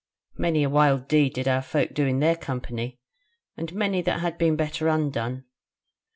Many a wild deed did our folk in their company, and many that had been better undone.